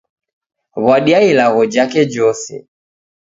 W'adia ilagho jake jose.